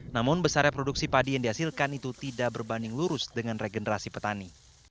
namun besarnya produksi padi yang dihasilkan itu tidak berbanding lurus dengan regenerasi petani